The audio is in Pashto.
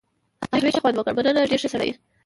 قهوې ښه خوند وکړ، مننه، چې ډېر ښه سړی وې.